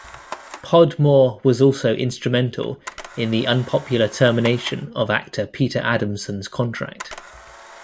Podmore was also instrumental in the unpopular termination of actor Peter Adamson's contract.